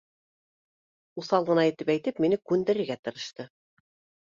Уҫал ғына итеп әйтеп, мине күндерергә тырышты.